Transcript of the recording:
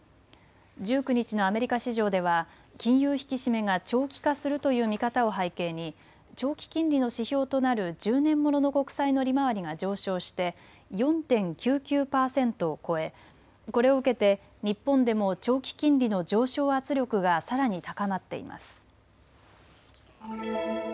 １９日のアメリカ市場では金融引き締めが長期化するという見方を背景に長期金利の指標となる１０年ものの国債の利回りが上昇して４．９９％を超えこれを受けて日本でも長期金利の上昇圧力がさらに高まっています。